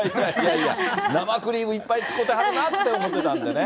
生クリームいっぱいつこうてはるなって思ってたんだね。